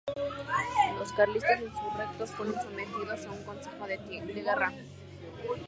Los carlistas insurrectos fueron sometidos a un consejo de guerra.